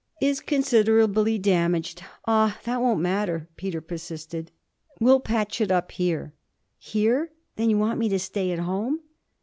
'Is considerably damaged? Ah that won't matter,' Peter persisted 'we'll patch it up here.' 'Here? Then you want me to stay at home?'